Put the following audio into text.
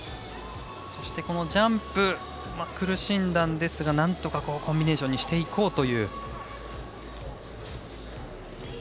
そして、ジャンプ苦しんだんですがなんとかコンビネーションにしていこうという。